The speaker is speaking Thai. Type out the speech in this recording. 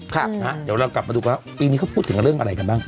เดี๋ยวเรากลับมาดูกันว่าปีนี้เขาพูดถึงเรื่องอะไรกันบ้าง